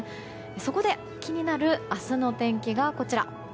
そこで気になる明日の天気がこちら。